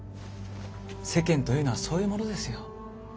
世間というのはそういうものですよ。